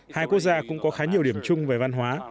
hai quốc gia cũng có khá nhiều điểm chung về văn hóa